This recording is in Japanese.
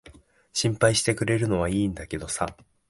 心配してくれるのは良いんだけどさ。